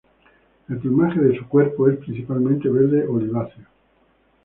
El plumaje de su cuerpo es principalmente verde oliváceo.